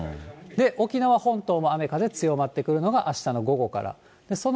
沖縄本島も雨風強まってくるのがあしたの午後から。